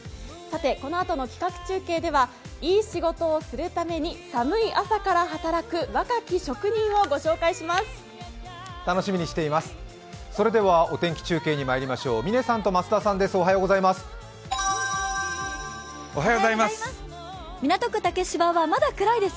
このあとの企画中継ではいい仕事をするために寒い朝から働く若き職人をご紹介します。